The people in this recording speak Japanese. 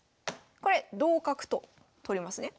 これ同角と取れますね。